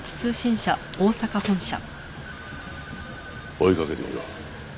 追いかけてみろ。